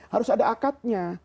harus ada akadnya